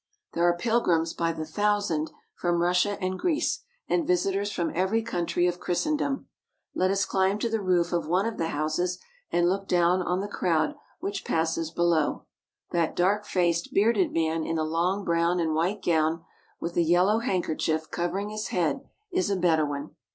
There are pilgrims by the thousand from Russia and Greece and visitors from every country of Christendom. Let us climb to the roof of one of the houses and look down on the crowd which passes below. That dark faced, bearded man in a long brown and white gown, with a yel low handkerchief covering his head, is a Bedouin.